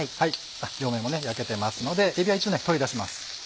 両面も焼けてますのでえびは一度取り出します。